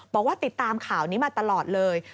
บอกว่าติดตามข่าวนี้มาตลอดเลย